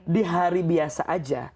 di hari biasa aja